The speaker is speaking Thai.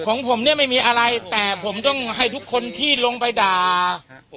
ของผมเนี่ยไม่มีอะไรแต่ผมต้องให้ทุกคนที่ลงไปด่าผม